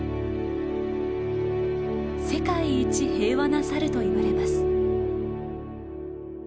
世界一平和なサルと言われます。